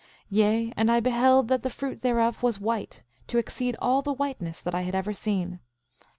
Yea, and I beheld that the fruit thereof was white, to exceed all the whiteness that I had ever seen.